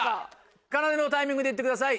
かなでのタイミングでいってください